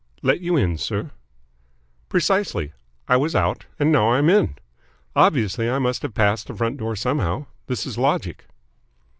"Let you in, sir?" "Precisely. I was out and now I am in. Obviously I must have passed the front door somehow. This is logic."